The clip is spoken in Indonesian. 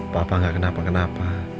papa gak kenapa kenapa